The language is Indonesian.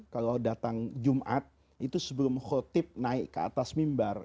kalau datang jumat itu sebelum khotib naik ke atas mimbar